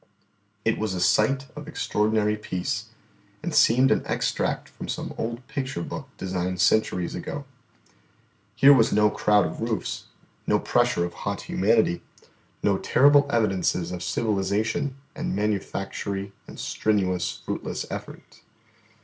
It was a sight of extraordinary peace, and seemed an extract from some old picture book designed centuries ago. Here was no crowd of roofs, no pressure of hot humanity, no terrible evidences of civilisation and manufactory and strenuous, fruitless effort.